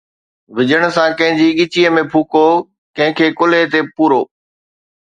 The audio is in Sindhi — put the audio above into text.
وجھڻ سان ڪنھن جي ڳچيءَ ۾ ڦوڪو، ڪنھن کي ڪلھي تي ڀورو.